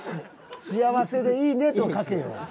「幸せでいいね」と書けよ。